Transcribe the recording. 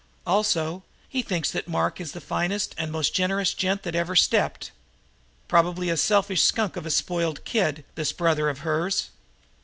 Also, he thinks that Mark is the finest and most generous gent that ever stepped. Probably a selfish skunk of a spoiled kid, this brother of hers.